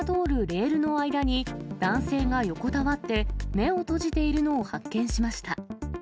レールの間に男性が横たわって、目を閉じているのを発見しました。